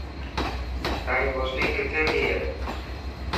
تائين پوسٽنگ ڪٿي ٿي هي.